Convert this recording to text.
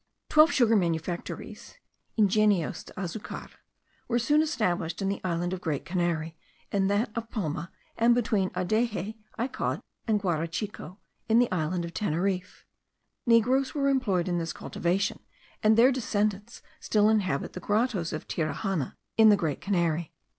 Twelve sugar manufactories (ingenios de azucar) were soon established in the island of Great Canary, in that of Palma, and between Adexe, Icod, and Guarachico, in the island of Teneriffe. Negroes were employed in this cultivation, and their descendants still inhabit the grottos of Tiraxana, in the Great Canary.